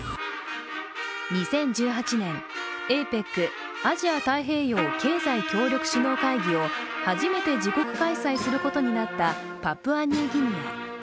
２０１８年、ＡＰＥＣ＝アジア太平洋経済協力首脳会議を初めて自国開催することになったパプアニューギニア。